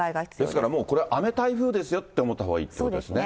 ですから、もうこれ雨台風ですよって思ったほうがいいということですね。